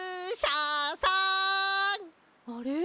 あれ？